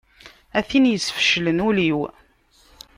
A tin yesfeclen ul-iw.